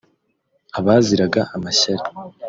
abaziraga amashyari